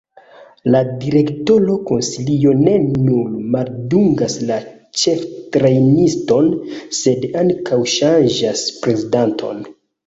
La direktora konsilio ne nur maldungas la ĉeftrejniston, sed ankaŭ ŝanĝas prezidanton.